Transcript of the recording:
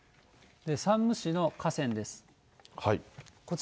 山武市の河川です。